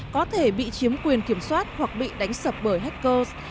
có thể bị chiếm quyền kiểm soát hoặc bị đánh sập bởi hacker